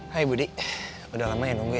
hai budi udah lama ya nunggu ya